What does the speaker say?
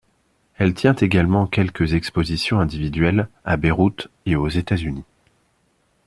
Elle tient également quelques expositions individuelles à Beyrouth et aux États-Unis.